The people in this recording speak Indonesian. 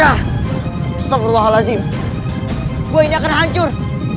astagfirullahaladzim gue ini akan hancur